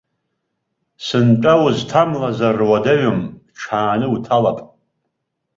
Сынтәа узҭамлазар уадаҩым, ҽааны уҭалап.